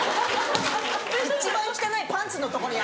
一番汚いパンツのとこに頭。